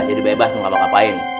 jadi bebas ngapain ngapain